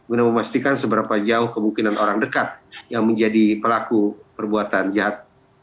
guna memastikan seberapa jauh kemungkinan orang dekat yang menjadi pelaku perbuatan jahat